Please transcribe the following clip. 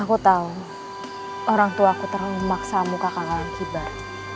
aku tahu orangtuaku terlalu memaksamu kakak kakak kibar